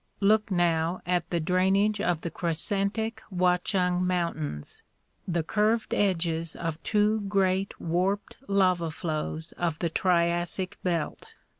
Look now at the drainage of the crescentic Watchung moun "tains; the curved edges of two great warped lava flows of the Triassic belt.